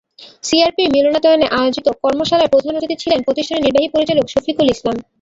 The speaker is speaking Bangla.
সিআরপির মিলনায়তনে আয়োজিত কর্মশালায় প্রধান অতিথি ছিলেন প্রতিষ্ঠানের নির্বাহী পরিচালক শফিকুল ইসলাম।